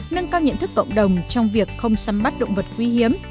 nâng cao nhận thức cộng đồng trong việc không săm bắt động vật quý hiếm